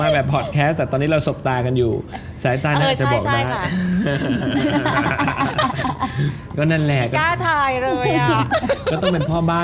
แต่ก็คือถ้า